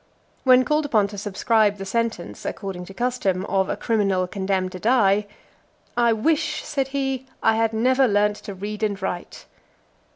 When called upon to subscribe the sentence, according to custom, of a criminal condemned to die, "I wish," said he, "I had never learnt to read and write."